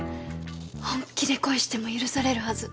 本気で恋しても許されるはず